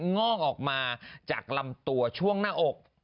งอกออกมาจากลำตัวช่วงหน้าอก